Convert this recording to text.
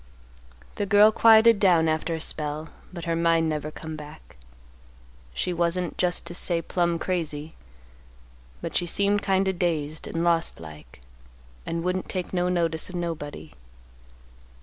"The girl quieted down after a spell, but her mind never come back. She wasn't just to say plumb crazy, but she seemed kind o' dazed and lost like, and wouldn't take no notice of nobody.